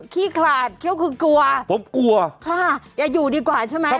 ขี้ขาดเพราะคุณกลัวผมกลัวอย่าอยู่ดีกว่าใช่ไหม